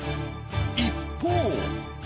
一方。